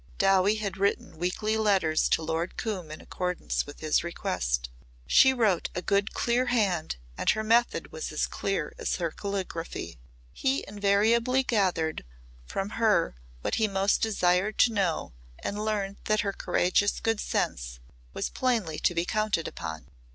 Dowie had written weekly letters to Lord Coombe in accordance with his request. She wrote a good clear hand and her method was as clear as her calligraphy. He invariably gathered from her what he most desired to know and learned that her courageous good sense was plainly to be counted upon.